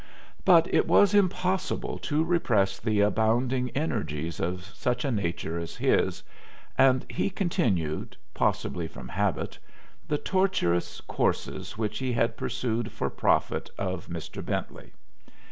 But it was impossible to repress the abounding energies of such a nature as his, and he continued, possibly from habit, the tortuous courses which he had pursued for profit of Mr. Bentley.